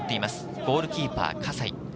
コールキーパー・葛西。